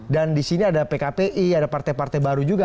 dan di sini ada pkpi ada partai partai baru juga